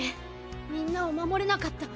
みんなを守れなかった。